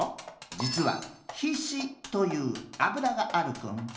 じつはひしというアブラがあるクン。